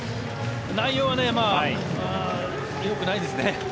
内容はよくないですね。